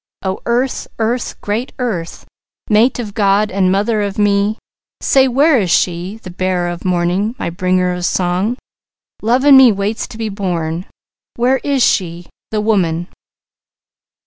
O Earth, Earth, great Earth, Mate of God and mother of me, Say, where is she, the Bearer of Morning, My Bringer of Song? Love in me waits to be born, Where is She, the Woman?